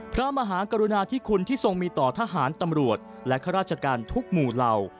พระมหากรุณาธิคุณที่ทรงมีต่อทหารตำรวจและข้าราชการทุกหมู่เหล่า